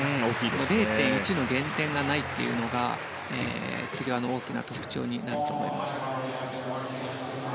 ０．１の減点がないというのがつり輪の大きな特徴です。